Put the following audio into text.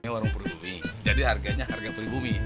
ini warung peribumi jadi harganya harga peribumi